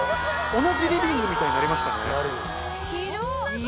同じリビングみたいになりました。